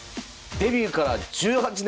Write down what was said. デビューから１８年。